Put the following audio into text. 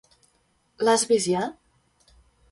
L'has vist ja?